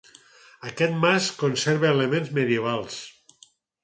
Aquest mas conserva elements medievals.